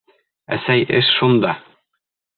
Әсәй, эш шунда...